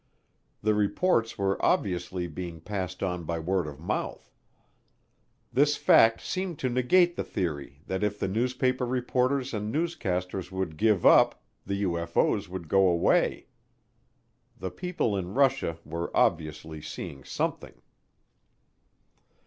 The reports were obviously being passed on by word of mouth. This fact seems to negate the theory that if the newspaper reporters and newscasters would give up the UFO's would go away. The people in Russia were obviously seeing something.